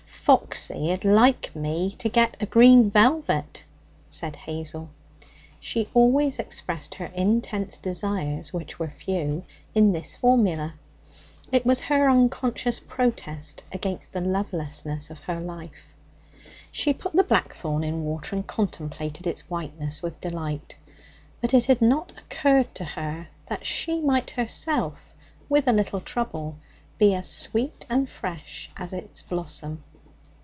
'Foxy'd like me to get a green velvet,' said Hazel. She always expressed her intense desires, which were few, in this formula. It was her unconscious protest against the lovelessness of her life. She put the blackthorn in water and contemplated its whiteness with delight; but it had not occurred to her that she might herself, with a little trouble, be as sweet and fresh as its blossom.